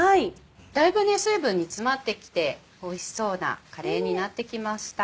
だいぶ水分煮詰まってきておいしそうなカレーになってきました。